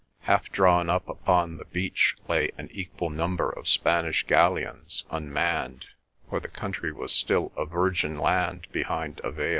Half drawn up upon the beach lay an equal number of Spanish galleons, unmanned, for the country was still a virgin land behind a veil.